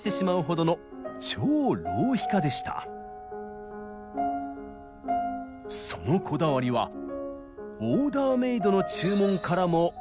そのこだわりはオーダーメイドの注文からもうかがえます。